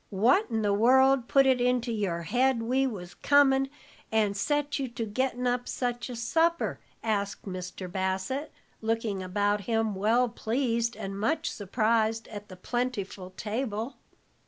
"What in the world put it into your head we was comin', and set you to gettin' up such a supper?" asked Mr. Bassett, looking about him, well pleased and much surprised at the plentiful table.